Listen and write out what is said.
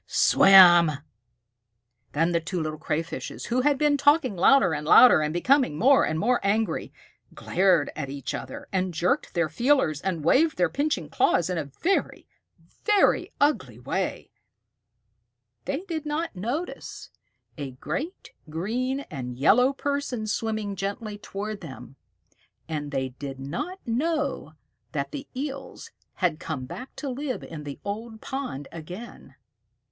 "Swim!" Then the two little Crayfishes, who had been talking louder and louder and becoming more and more angry, glared at each other, and jerked their feelers, and waved their pinching claws in a very, very ugly way. [Illustration: MOTHER EEL OPENED HER BIG MOUTH. Page 186] They did not notice a great green and yellow person swimming gently toward them, and they did not know that the Eels had come back to live in the old pond again.